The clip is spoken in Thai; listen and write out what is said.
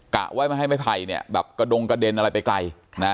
กะไว้ไม่ให้ไม้ไผ่เนี่ยแบบกระดงกระเด็นอะไรไปไกล